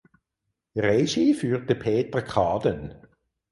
Regie führte Peter Kaaden.